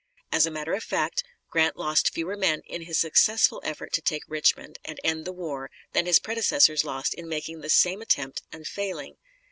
As a matter of fact, Grant lost fewer men in his successful effort to take Richmond and end the war than his predecessors lost in making the same attempt and failing.